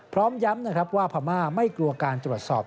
พร้อมย้ำนะครับว่าพม่าไม่กลัวการตรวจสอบ